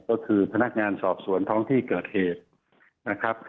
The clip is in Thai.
ก็คือพนักงานสอบสวนท้องที่เกิดเหตุนะครับ